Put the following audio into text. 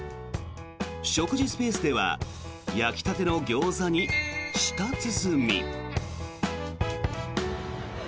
食事スペースでは焼きたてのギョーザに舌鼓。